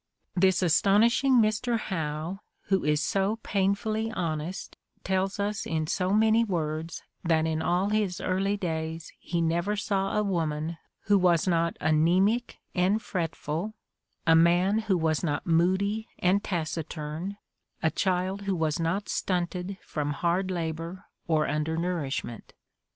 This astonishing Mr. Howe, who is so painfully honest, tells us in so many words that in all his early days he never saw a woman who was not anaemic and fretful, a man who was not moody and taciturn, a child who was not stunted from hard labor or under nourishment.